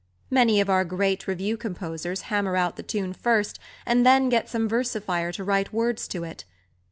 Many of our great revue composers hammer out the tune first and then get some versifier to write words to it.